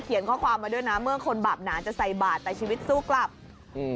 ข้อความมาด้วยนะเมื่อคนบาปหนาจะใส่บาทแต่ชีวิตสู้กลับอืม